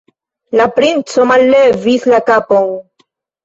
La princo mallevis la kapon.